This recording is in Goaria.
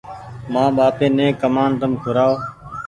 مآن ٻآپي ني ڪمآن تم کورآئو۔